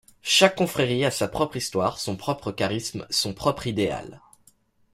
Chaque confrérie a sa propre histoire, son propre charisme, son propre idéal.